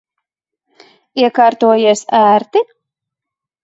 Iekārtojies ērti?